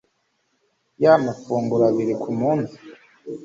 Ya mafunguro abiri ku munsi.